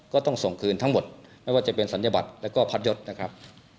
ก็ต้องส่งคืนทั้งหมดไม่ว่าจะเป็นศัลยบัตรแล้วก็พัดยศนะครับ